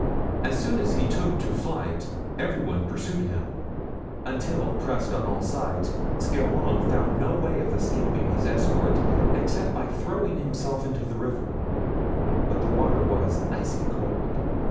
As soon as he took to flight every one pursued him, until, pressed on all sides, Scarron found no way of escaping his escort, except by throwing himself into the river; but the water was icy cold.